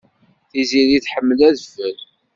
Tiziri tḥemmel adfel.